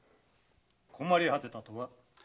困り果てたとは？